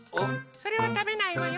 それはたべないわよ。